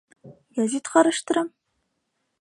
- Гәзит ҡараштырам.